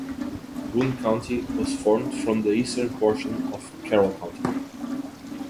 Boone County was formed from the eastern portion of Carroll County.